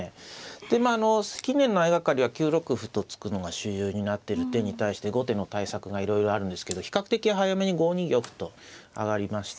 でまああの近年の相掛かりは９六歩と突くのが主流になっている手に対して後手の対策がいろいろあるんですけど比較的早めに５二玉と上がりました。